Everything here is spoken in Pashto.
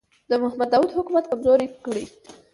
د محمد داوود حکومت کمزوری کړي.